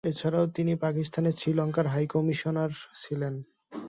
এছাড়া তিনি পাকিস্তানে শ্রীলঙ্কার হাই কমিশনার ছিলেন।